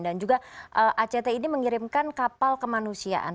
dan juga act ini mengirimkan kapal kemanusiaan